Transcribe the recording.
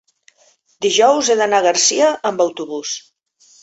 dijous he d'anar a Garcia amb autobús.